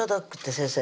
先生